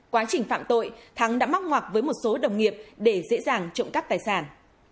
quá trình phạm tội thắng đã móc ngoặc với một số đồng nghiệp để dễ dàng trộm cắp tài sản